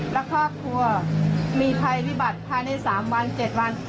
และครอบครัวมีภัยวิบัติภายใน๓วัน๗วัน